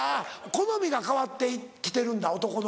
好みが変わって来てるんだ男の。